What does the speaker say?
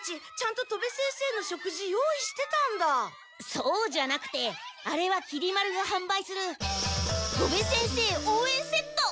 そうじゃなくてあれはきり丸がはんばいする戸部先生おうえんセット！